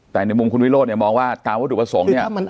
แต่ในมุมคุณวิโรศน์มองว่าตามวัตถุสม